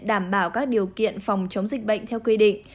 đảm bảo các điều kiện phòng chống dịch bệnh theo quy định